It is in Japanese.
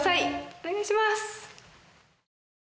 お願いします